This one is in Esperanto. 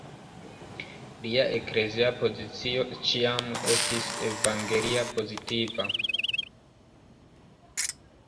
Lia eklezia pozicio ĉiam estis evangelia-pozitiva.